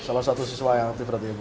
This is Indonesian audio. salah satu siswa yang aktif berarti ibu